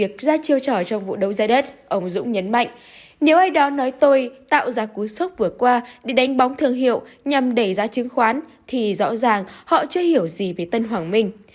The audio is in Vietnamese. trong vụ đấu ra đất ông dũng nhấn mạnh nếu ai đó nói tôi tạo ra cú sốc vừa qua để đánh bóng thương hiệu nhằm đẩy ra chứng khoán thì rõ ràng họ chưa hiểu gì về tân hoàng minh